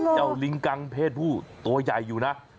ลิงกังเพศผู้ตัวใหญ่อยู่นะ